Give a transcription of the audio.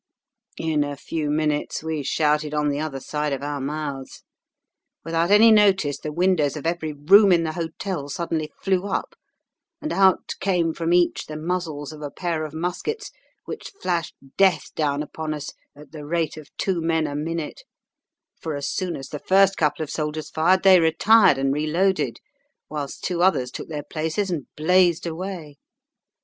"In a few minutes we shouted on the other side of our mouths. Without any notice the windows of every room in the hotel suddenly flew up, and out came from each the muzzles of a pair of muskets which flashed death down upon us at the rate of two men a minute; for as soon as the first couple of soldiers fired they retired and reloaded whilst two others took their places and blazed away.